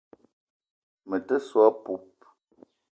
Me te so a poup.